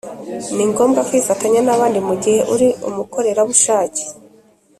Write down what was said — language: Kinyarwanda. ni ngombwa kwifatanya n‘abandi mu gihe uri umukorerabushake.